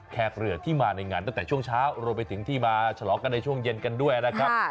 แขกเรือที่มาในงานตั้งแต่ช่วงเช้ารวมไปถึงที่มาฉลองกันในช่วงเย็นกันด้วยนะครับ